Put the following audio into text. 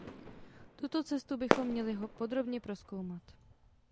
Tuto cestu bychom měli podrobně prozkoumat.